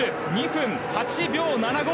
２分８秒７５。